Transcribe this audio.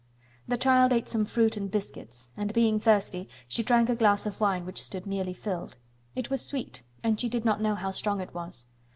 The child ate some fruit and biscuits, and being thirsty she drank a glass of wine which stood nearly filled. It was sweet, and she did not know how strong it was.